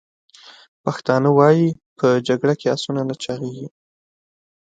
پښتانه وایي: « په جګړه کې اسونه نه چاغیږي!»